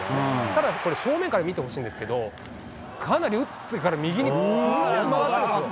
ただこれ、正面から見てほしいんですけど、かなり打ってから右に曲がってるんですよ。